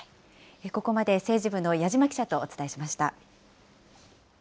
ここまで政治部の矢島記者とお伝えしました。